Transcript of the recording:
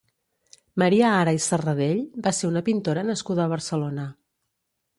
Maria Ara i Sarradell va ser una pintora nascuda a Barcelona.